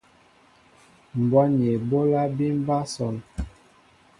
Mbwá ni eɓólá bí mɓá asón.